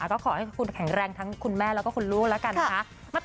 ก็ขอให้คุณแข็งแรงทั้งคุณแม่แล้วก็คุณลูกแล้วกันนะคะ